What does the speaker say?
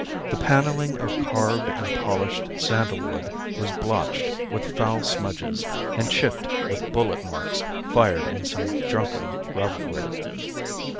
The panelling of carved and polished sandal wood was blotched with foul smudges and chipped with bullet marks fired in some drunken revelry.